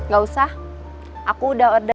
gak usah aku udah order